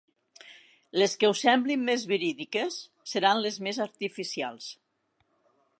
Les que us semblin més verídiques seran les més artificials.